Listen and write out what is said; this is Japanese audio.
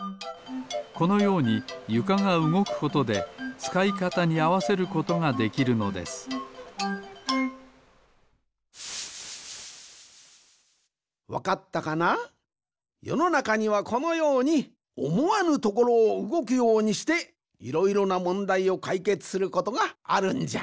このようにゆかがうごくことでつかいかたにあわせることができるのですわかったかな？よのなかにはこのようにおもわぬところをうごくようにしていろいろなもんだいをかいけつすることがあるんじゃ。